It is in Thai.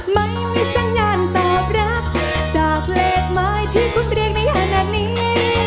ไม่มีสัญญาณตอบรับจากเลขหมายที่คุณเรียกในขณะนี้